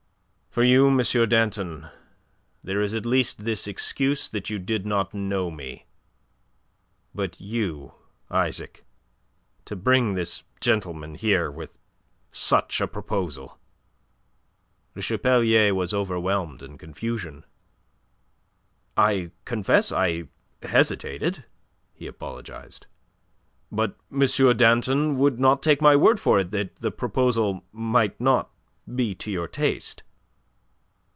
For you, M. Danton, there is at least this excuse that you did not know me. But you, Isaac to bring this gentleman here with such a proposal!" Le Chapelier was overwhelmed in confusion. "I confess I hesitated," he apologized. "But M. Danton would not take my word for it that the proposal might not be to your taste."